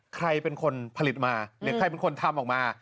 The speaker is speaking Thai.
ใครเป็นคนผลิตมาหรือใครเป็นคนทำออกมา